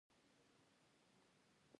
ازادي راډیو د سیاست حالت ته رسېدلي پام کړی.